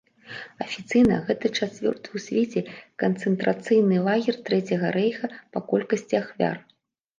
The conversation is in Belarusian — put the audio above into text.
Афіцыйна, гэта чацвёрты ў свеце канцэнтрацыйны лагер трэцяга рэйха па колькасці ахвяр.